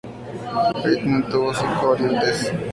El "kaiten" tuvo cinco variantes.